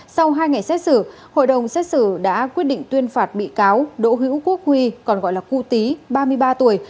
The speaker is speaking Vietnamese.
sau hai ngày xét xử hội đồng xét xử đã quyết định tuyên phạt bị cáo đỗ hữu quốc huy còn gọi là cụ tý ba mươi ba tuổi